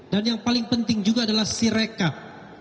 dan yang paling penting juga adalah si rekap